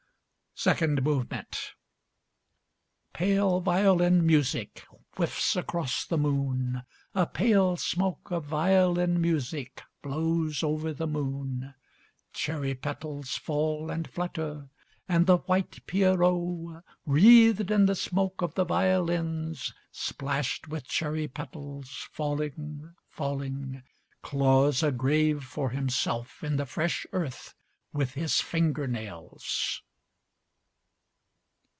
Second Movement Pale violin music whiffs across the moon, A pale smoke of violin music blows over the moon, Cherry petals fall and flutter, And the white Pierrot, Wreathed in the smoke of the violins, Splashed with cherry petals falling, falling, Claws a grave for himself in the fresh earth With his finger nails.